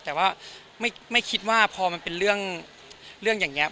แต่ว่าไม่คิดว่าพอมันเป็นเรื่องอย่างนี้